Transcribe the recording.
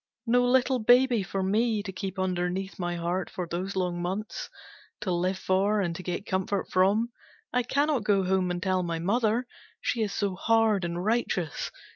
No little baby for me to keep underneath my heart for those long months. To live for and to get comfort from. I cannot go home and tell my mother. She is so hard and righteous.